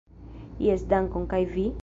Jes, dankon, kaj vi?